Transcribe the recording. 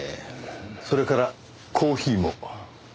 それからコーヒーも。